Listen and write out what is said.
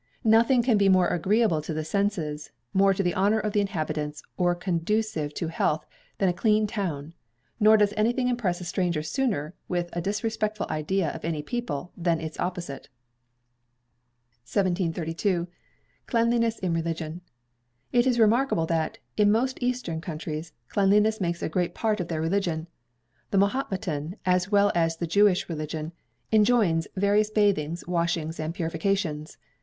Nothing can be more agreeable to the senses, more to the honour of the inhabitants, or conducive to their health, than a clean town; nor does anything impress a stranger sooner with a disrespectful idea of any people than its opposite. 1732. Cleanliness in Religion. It is remarkable that, in most eastern countries, cleanliness makes a great part of their religion. The Mahometan, as well as the Jewish religion, enjoins various bathings, washings, and purifications.